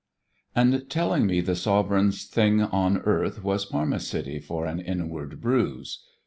And telling me the sov'reign'st thing on earth Was parmacity for an inward bruise.